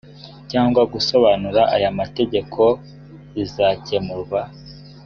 cyangwa gusobanura aya mategeko zizakemurwa